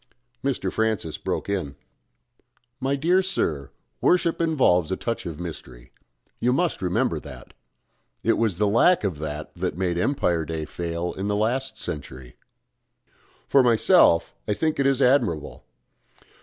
Mr. Francis broke in. "My dear sir, worship involves a touch of mystery. You must remember that. It was the lack of that that made Empire Day fail in the last century. For myself, I think it is admirable.